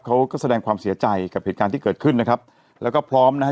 เขาก็แสดงความเสียใจกับเหตุการณ์ที่เกิดขึ้นนะครับแล้วก็พร้อมนะฮะ